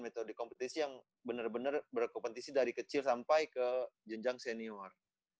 metode kompetisi yang benar benar berkompetisi dari kecil sampai ke jenjang senior